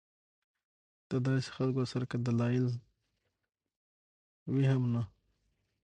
د داسې خلکو سره کۀ دلائل وي هم نۀ